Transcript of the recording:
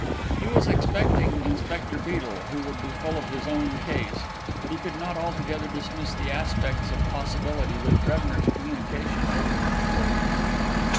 He was expecting Inspector Beedel, who would be full of his own case, but he could not altogether dismiss the aspects of possibility that Brebner's communication opened before his mind.